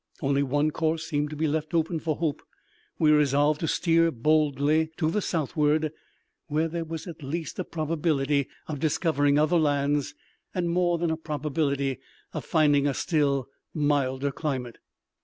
Only one course seemed to be left open for hope. We resolved to steer boldly to the southward, where there was at least a probability of discovering other lands, and more than a probability of finding a still milder climate.